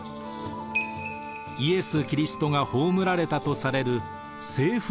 イエス・キリストが葬られたとされる聖墳墓教会。